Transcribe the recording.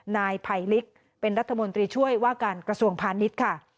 นายภัยลิกเป็นรัฐมนตรีช่วยว่าการกระทรวงพาณิชย์ค่ะ